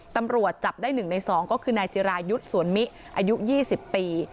ตำรวจจับได้๑ใน๒ก็คือนายจิรายุทธ์สวนมิอายุ๒๐ปี